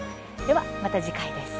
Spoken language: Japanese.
では、また次回です。